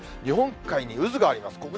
日本海に渦があります。